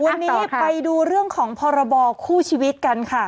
วันนี้ไปดูเรื่องของพรบคู่ชีวิตกันค่ะ